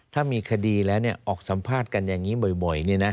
ถ้ามีคดีแล้วออกสัมภาษณ์กันอย่างนี้บ่อย